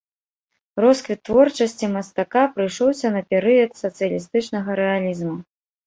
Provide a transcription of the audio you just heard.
Росквіт творчасці мастака прыйшоўся на перыяд сацыялістычнага рэалізму.